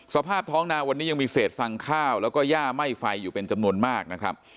สภาพท้องนาวันนี้ยังมีเศษสั่งข้าวแล้วก็ย่าไหม้ไฟอยู่เป็นจำนวนมากนะครับ